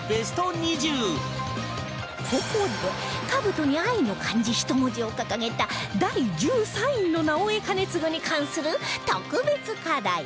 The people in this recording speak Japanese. ここで兜に「愛」の漢字１文字を掲げた第１３位の直江兼続に関する特別課題